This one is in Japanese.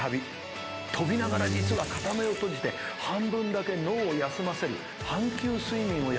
飛びながら実は片目を閉じて半分だけ脳を休ませる半球睡眠をやってます。